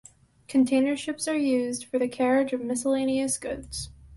Container ships are used for the carriage of miscellaneous goods.